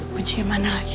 kunci kemana lagi